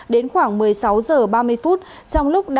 đến khoảng một mươi sáu h ba mươi phút